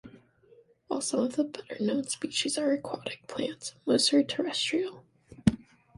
While some of the better-known species are aquatic plants, most are terrestrial.